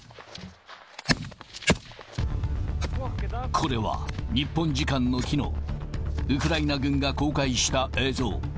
これは、日本時間のきのう、ウクライナ軍が公開した映像。